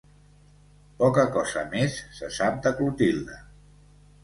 Poca cosa més se sap de Clotilde.